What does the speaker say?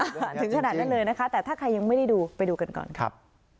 ถึงขนาดนั้นเลยนะคะแต่ถ้าใครยังไม่ได้ดูไปดูกันก่อนครับ